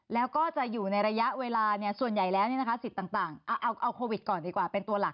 แล้วก็จะอยู่ในระยะเวลาส่วนใหญ่แล้วสิทธิ์ต่างเอาโควิดก่อนดีกว่าเป็นตัวหลัก